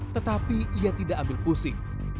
tetapi ia tidak ambil pusing